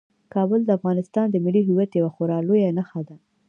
کابل د افغانستان د ملي هویت یوه خورا لویه نښه ده.